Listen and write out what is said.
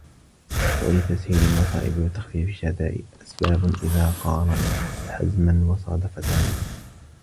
وَلِتَسْهِيلِ الْمَصَائِبِ وَتَخْفِيفِ الشَّدَائِدِ أَسْبَابٌ إذَا قَارَنْت حَزْمًا ، وَصَادَفْت عَزْمًا